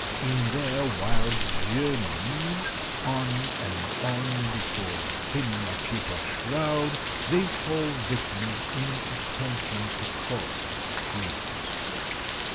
In their wild journeyings on and on before spinning the pupa shroud, they fall victims in attempting to cross streams.